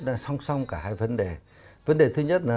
trong cả hai vấn đề vấn đề thứ nhất là